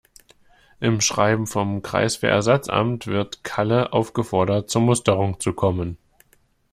Im Schreiben vom Kreiswehrersatzamt wird Kalle aufgefordert, zur Musterung zu kommen.